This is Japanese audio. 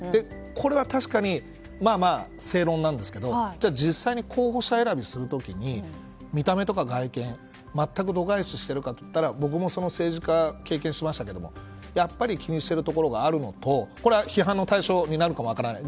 これは確かにまあまあ正論なんですけど実際に候補者選びする時に見た目とか外見、全く度外視しているかと言ったら僕も政治家を経験しましたけどやっぱり気にしているところがあるのと批判の対象になるかも分からない。